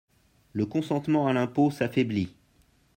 Le consentement à l’impôt s’affaiblit.